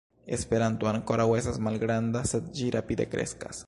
Esperanto ankoraŭ estas malgranda, sed ĝi rapide kreskas.